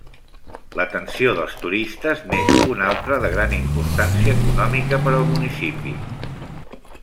L'atenció dels turistes n'és una altra de gran importància econòmica per al municipi.